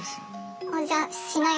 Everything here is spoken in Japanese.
じゃあしない